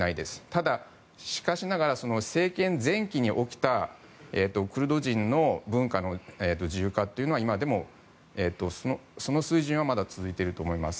ただ、しかしながら政権前期に起きたクルド人の文化の自由化というのは今でもその水準はまだ続いていると思います。